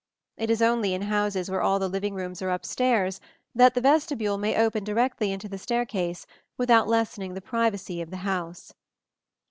It is only in houses where all the living rooms are up stairs that the vestibule may open directly into the staircase without lessening the privacy of the house.